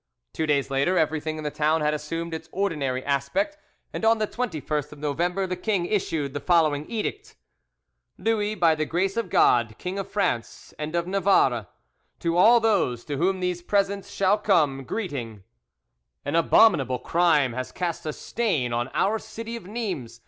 Two days later everything in the town had assumed its ordinary aspect, and on the 21st of November the king issued the following edict:— "Louis, by the grace of God, King of France and of Navarre, "To all those to whom these presents shall come, greeting: "An abominable crime has cast a stain on Our city of Nimes.